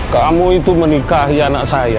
kamu itu menikahi anak saya